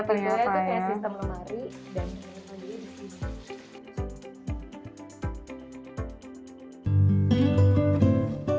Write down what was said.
dan ini mandinya disini